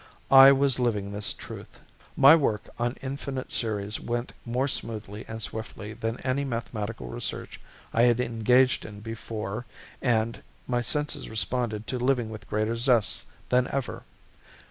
I was living this truth. My work on infinite series went more smoothly and swiftly than any mathematical research I had engaged in before and my senses responded to living with greater zest than ever.